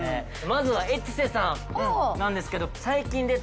まずはエテュセさんなんですけど。